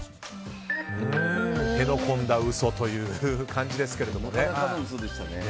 手の込んだ嘘という感じですけれども。